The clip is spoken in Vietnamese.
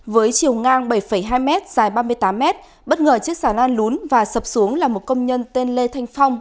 với chiều ngang bảy hai m dài ba mươi tám mét bất ngờ chiếc xà lan lún và sập xuống là một công nhân tên lê thanh phong